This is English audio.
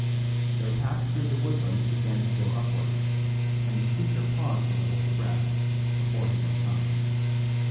Their path through the woodland began to go upward, and the speaker paused a little for breath before he went on.